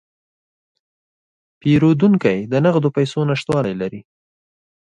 پیرودونکی د نغدو پیسو نشتوالی لري.